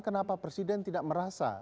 kenapa presiden tidak merasa